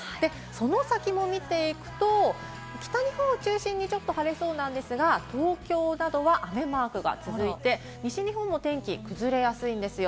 その先も見ていくと、北日本を中心にちょっと晴れそうなんですが、東京などは雨マークが続いて西日本も天気が崩れやすいんですよ。